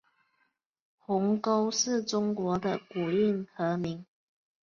鸿沟是中国的古运河名。